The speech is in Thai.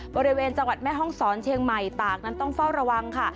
บริเวณจังหวัดแม่ห้องศรเชียงใหม่ตากนั้นต้องเฝ้าระวังค่ะ